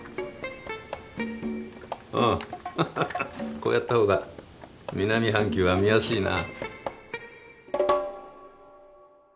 こうやった方が南半球は見やすいな。